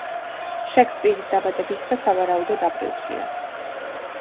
შექსპირის დაბადების დღე სავარაუდოდ აპრილშია.